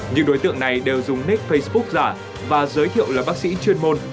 những đối tượng này đều dùng nick facebook giả và giới thiệu là bác sĩ chuyên môn